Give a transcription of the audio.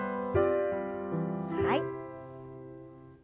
はい。